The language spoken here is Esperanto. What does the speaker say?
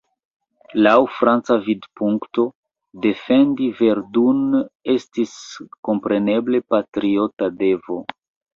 Laŭ franca vidpunkto, defendi Verdun estis kompreneble patriota devo.